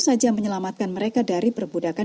saja menyelamatkan mereka dari perbudakan